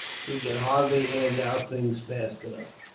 We could hardly hand out things fast enough.